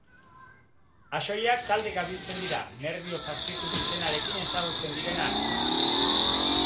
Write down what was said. Axoiak taldeka biltzen dira, nerbio-faszikulu izenarekin ezagutzen direnak.